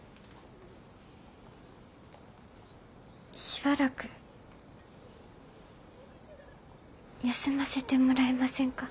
しばらく休ませてもらえませんか？